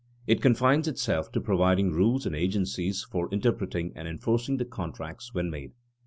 It confines itself to providing rules and agencies for interpreting and enforcing the contracts when made.